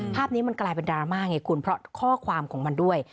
ภาพนี้มันกลายเป็นดราม่าไงคุณเพราะข้อความของมันด้วย